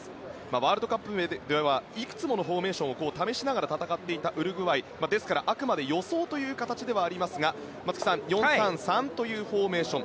ワールドカップではいくつものフォーメーションを試しながら戦っていたウルグアイなので予想という形ですが松木さん、４−３−３というフォーメーション。